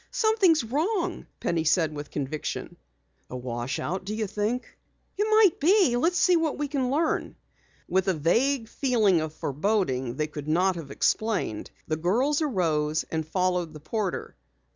"Something's wrong!" Penny said with conviction. "A wash out, do you think?" "Might be. Let's see what we can learn." With a vague feeling of foreboding they could not have explained, the girls arose and followed the porter.